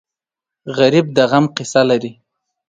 غریب د غم قصه لري